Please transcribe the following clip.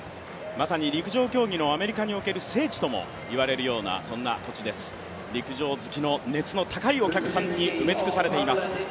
まさに陸上競技のアメリカにおける聖地といわれるそんな土地です、陸上好きの熱の高いお客さんに埋め尽くされています。